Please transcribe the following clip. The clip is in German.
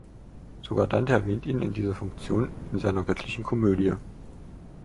Sogar Dante erwähnt ihn in dieser Funktion in seiner "Göttlichen Komödie".